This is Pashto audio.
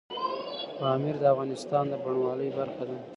پامیر د افغانستان د بڼوالۍ برخه ده.